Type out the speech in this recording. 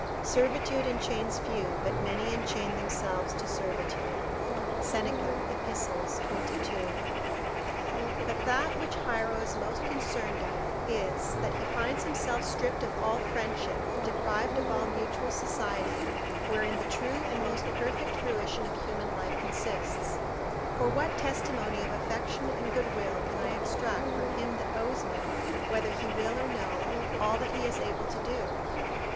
["Servitude enchains few, but many enchain themselves to servitude." Seneca, Ep., 22.] But that which Hiero is most concerned at is, that he finds himself stripped of all friendship, deprived of all mutual society, wherein the true and most perfect fruition of human life consists. For what testimony of affection and goodwill can I extract from him that owes me, whether he will or no, all that he is able to do?